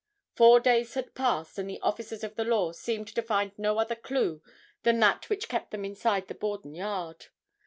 Four days had passed and the officers of the law seemed to find no other clue than that which kept them inside the Borden yard.